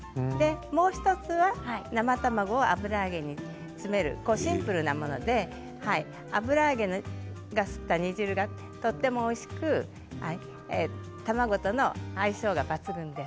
もう１つは生卵を油揚げに詰めるシンプルなもので油揚げが吸った煮汁がとてもおいしく卵との相性が抜群です。